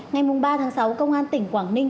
ngày ba tháng sáu công an tỉnh quảng ninh